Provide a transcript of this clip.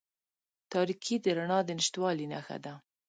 تاریکې د رڼا د نشتوالي نښه ده.